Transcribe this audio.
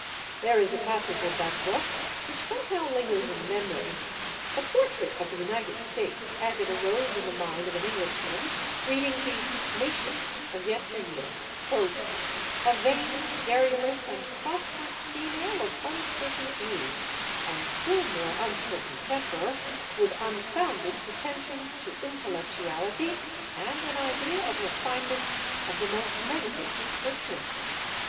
There is a passage in that book which somehow lingers in the memory: a portrait of the United States as it arose in the mind of an Englishman reading the Nation of yesteryear: "a vain, garrulous and prosperous female of uncertain age, and still more uncertain temper, with unfounded pretensions to intellectuality and an idea of refinement of the most negative description